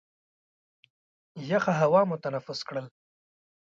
یخه هوا مو تنفس کړل.